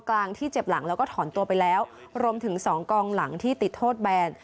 ที่เจ็บหลังแล้วก็ถอนตัวไปแล้วรวมถึงสองกองหลังที่ติดโทษแบน